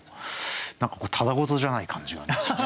何かこうただ事じゃない感じがする。